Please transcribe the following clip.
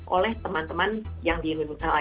oleh teman teman yang di indonesia ini